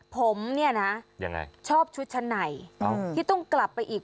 ผมเนี่ยนะยังไงชอบชุดชั้นในที่ต้องกลับไปอีก